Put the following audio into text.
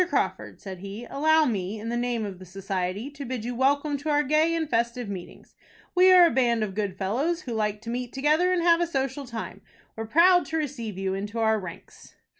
Crawford," said he, "allow me, in the name of the society, to bid you welcome to our gay and festive meetings. We are a band of good fellows, who like to meet together and have a social time. We are proud to receive you into our ranks."